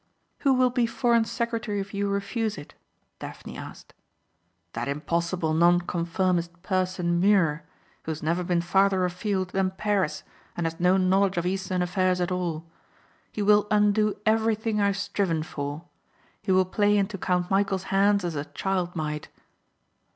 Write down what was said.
"Who will be foreign secretary if you refuse it?" Daphne asked. "That impossible nonconformist person Muir who has never been farther afield than Paris and has no knowledge of Eastern affairs at all. He will undo everything I have striven for. He will play into Count Michæl's hands as a child might."